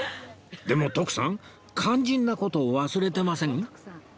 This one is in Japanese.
でも徳さん肝心な事を忘れてません？